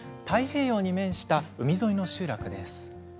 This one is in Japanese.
太平洋に面した海沿いの集落です。